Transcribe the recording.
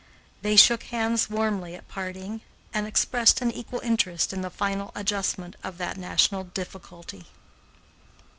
They shook hands warmly at parting and expressed an equal interest in the final adjustment of that national difficulty.